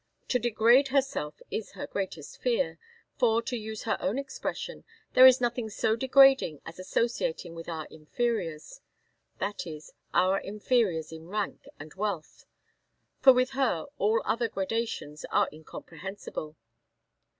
To degrade herself is her greatest fear; for, to use her own expression, there is nothing so degrading as associating with our inferiors that is, our inferiors in rank and wealth for with her all other gradations are incomprehensible.